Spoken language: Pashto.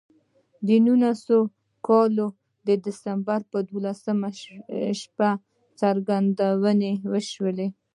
د نولس سوه کال د ډسمبر پر دولسمه شپه څرګندونې وشوې